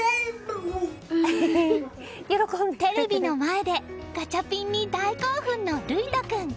テレビの前でガチャピンに大興奮の塁翔君。